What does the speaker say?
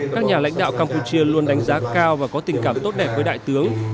các nhà lãnh đạo campuchia luôn đánh giá cao và có tình cảm tốt đẹp với đại tướng